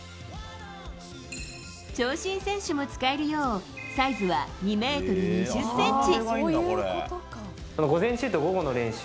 長身選手も使えるようサイズは２ｍ２０ｃｍ。